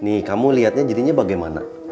nih kamu lihatnya jadinya bagaimana